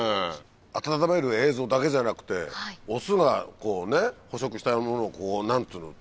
温める映像だけじゃなくてオスが捕食したものをこう持ってくる。